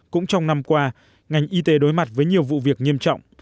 cũng trong năm qua ngành y tế đối mặt với nhiều vụ việc nghiêm trọng